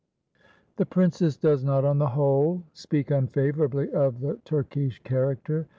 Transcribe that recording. The princess does not, on the whole, speak unfavourably of the Turkish character.